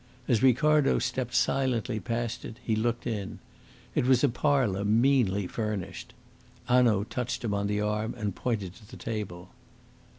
As Ricardo stepped silently past it, he looked in. It was a parlour meanly furnished. Hanaud touched him on the arm and pointed to the table.